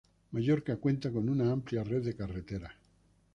Mallorca cuenta con una amplia red de carreteras.